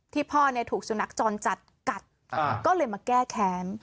พ่อถูกสุนัขจรจัดกัดก็เลยมาแก้แค้น